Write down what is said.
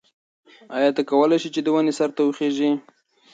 ایا ته کولای شې چې د ونې سر ته وخیژې؟